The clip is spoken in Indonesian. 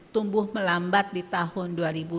tumbuh melambat di tahun dua ribu dua puluh tiga